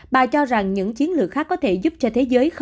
bà cho rằng những chiến lược khác có thể giúp cho thế giới